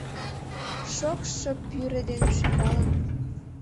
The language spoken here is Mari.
Шокшо пӱрӧ ден шӱкалын